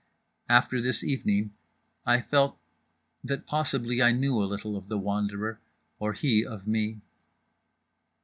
After this evening I felt that possibly I knew a little of The Wanderer, or he of me.